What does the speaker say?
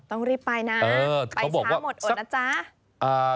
ต้องรีบไปนะไปช้าหมดอดนะจ๊ะ